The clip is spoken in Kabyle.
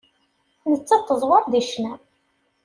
Nettat teẓwer deg ccna.